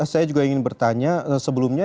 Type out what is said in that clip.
saya juga ingin bertanya sebelumnya